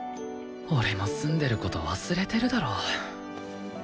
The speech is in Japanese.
俺も住んでる事忘れてるだろ